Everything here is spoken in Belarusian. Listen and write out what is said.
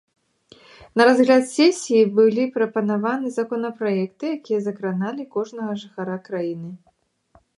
На разгляд сесіі былі прапанаваны законапраекты, якія закраналі кожнага жыхара краіны.